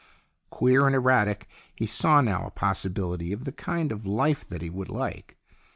Queer and erratic, he saw now a possibility of the kind of life that he would like.